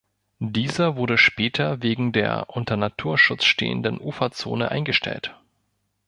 Dieser wurde später wegen der unter Naturschutz stehenden Uferzone eingestellt.